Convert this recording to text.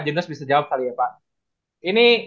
jelas bisa jawab kali ya pak ini